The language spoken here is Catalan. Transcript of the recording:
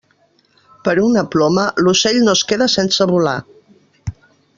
Per una ploma, l'ocell no es queda sense volar.